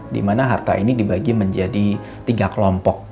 dimana harta ini dibagi menjadi tiga kelompok